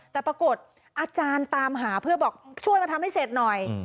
แต่ปรากฏอาจารย์ตามหาเพื่อบอกช่วยมาทำให้เสร็จหน่อย